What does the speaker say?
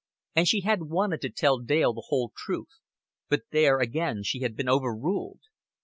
And she had wanted to tell Dale the whole truth; but there again she had been overruled.